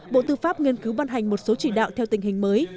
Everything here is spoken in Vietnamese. bộ tư pháp nghiên cứu ban hành một số chỉ đạo theo tình hình mới